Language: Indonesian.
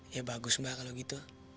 ya bagus mbak kalau gitu